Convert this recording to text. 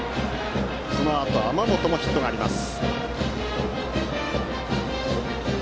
そのあとの天本にもヒットがあります。